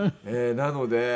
なので。